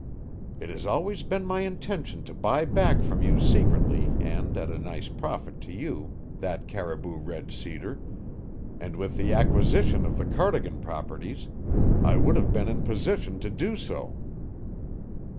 It has always been my intention to buy back from you secretly and at a nice profit to you that Caribou red cedar, and with the acquisition of the Cardigan properties I would have been in position to do so.